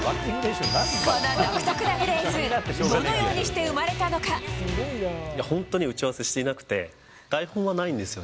この独特なフレーズ、本当に打ち合わせしていなくて、台本はないんですよね？